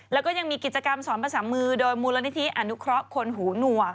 แล้วก็ยังมีกิจกรรมสอนภาษามือโดยมูลนิธิอนุเคราะห์คนหูหนัว